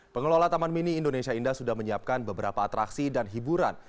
pengelola taman mini indonesia indah sudah menyiapkan beberapa atraksi dan hiburan